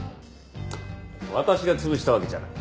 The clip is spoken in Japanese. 私が潰したわけじゃない。